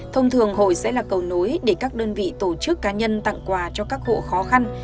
thông thường hội sẽ là cầu nối để các đơn vị tổ chức cá nhân tặng quà cho các hộ khó khăn